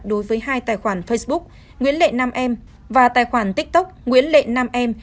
đối với hai tài khoản facebook nguyễn lệ nam em và tài khoản tiktok nguyễn lệ nam em